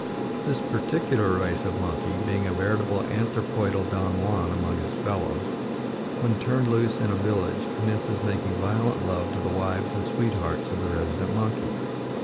This particular race of monkey, being a veritable anthropoidal Don Juan among his fellows, when turned loose in a village commences making violent love to the wives and sweethearts of the resident monkeys.